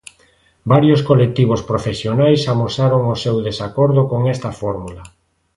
Varios colectivos profesionais amosaron o seu desacordo con esta fórmula.